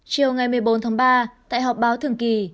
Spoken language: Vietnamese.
chiều ngày một mươi bốn tháng ba tại họp báo thường kỳ